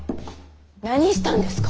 何したんですか？